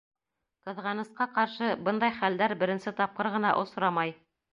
Ҡыҙғанысҡа ҡаршы, бындай хәлдәр беренсе тапҡыр ғына осрамай.